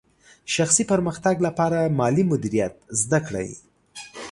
شخصي پرمختګ لپاره مالي مدیریت زده کړئ.